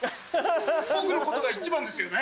僕のことが一番ですよね？